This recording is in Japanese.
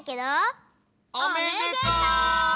おめでとう！